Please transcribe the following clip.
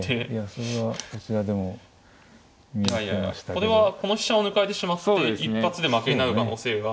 これはこの飛車を抜かれてしまって一発で負けになる可能性が。